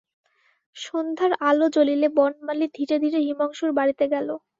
সন্ধ্যার আলো জ্বলিলে বনমালী ধীরে ধীরে হিমাংশুর বাড়িতে গেল।